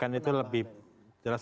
ya kan itu lebih jelas banget